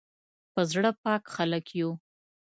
په زړه پاک خلک یو